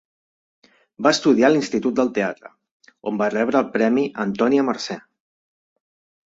Va estudiar a l'Institut del Teatre, on va rebre el premi Antònia Mercè.